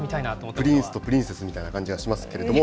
プリンスとプリンセスみたいな感じはしますけれども。